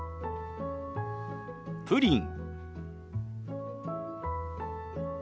「プリン」。